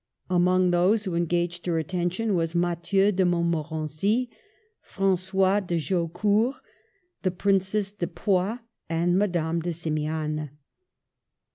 Among those who engaged her attention were Mathieu de Mont morency, Francois de Jaucourt, the Princess de Poix and Madame de Simiane.